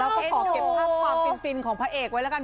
ก็ขอเก็บภาพความฟินของพระเอกไว้แล้วกัน